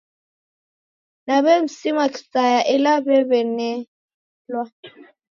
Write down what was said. Na w'esimwa kisaya ela w'ew'onelwa.